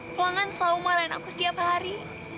pelanggan selalu marahin aku setiap hari